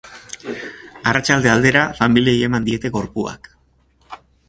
Arratsalde aldera familiei eman diete gorpuak.